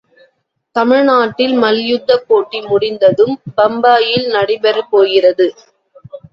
தமிழ்நாட்டில் மல்யுத்தப்போட்டி முடிந்ததும் பம்பாயில் நடைபெறப்போகிறது.